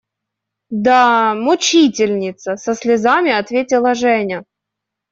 Да… мучительница! – со слезами ответила Женя.